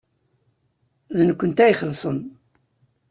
D nekkenti ad ixellṣen.